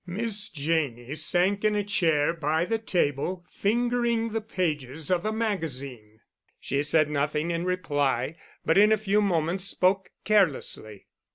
Miss Janney sank in a chair by the table, fingering the pages of a magazine. She said nothing in reply, but in a few moments spoke carelessly.